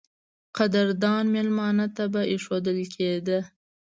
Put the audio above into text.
قدردان مېلمه ته به اېښودل کېده.